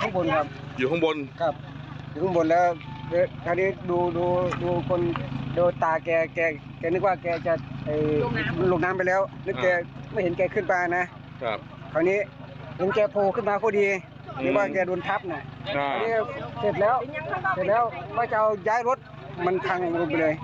ครับคุณพี่ด้วยพร้อมข้อมูลครับขั้นข่าวนะครับ